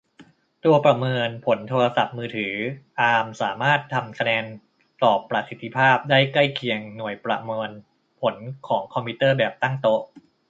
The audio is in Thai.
ตัวประเมินผลโทรศัพท์มือถือ อาร์ม สามารถทำผลคะแนนสอบประสิทธิ์ภาพ ได้ใกล้เคียงกับ หน่วยประเมินผลของคอมพิวเตอร์แบบตั้งโต๊ะ